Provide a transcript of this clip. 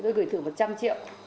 tôi gửi thử một trăm linh triệu